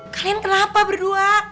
kalian kenapa berdua